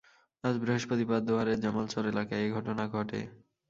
আজ বৃহস্পতিবার দোহারের জামালচর এলাকায় এ ঘটনা ঘটে।